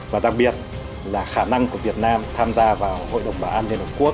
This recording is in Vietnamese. và đặc biệt là khả năng của việt nam tham gia vào hội đồng bảo an liên hợp quốc